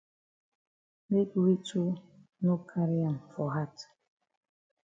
Make we too no carry am for hat.